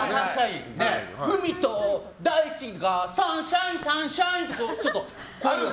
海と大地がサンシャインサンシャイン！っていう。